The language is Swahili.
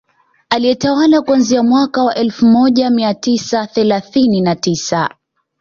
Aliyetawala kuanzia mwaka wa elfu moja mia tisa thelathini na tisa